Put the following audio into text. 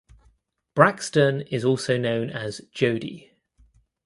Braxton is also known as "Jodi".